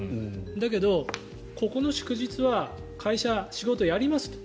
だけど、ここの祝日は会社、仕事やりますと。